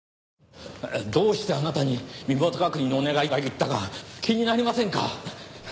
どうしてあなたに身元確認のお願いがいったか気になりませんか？